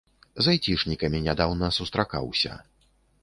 З айцішнікамі нядаўна сустракаўся.